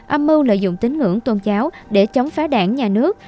âm mưu lợi dụng tính ngưỡng tôn giáo để chống phá đảng nhà nước